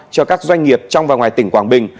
cho các doanh nghiệp trong và ngoài tỉnh quảng bình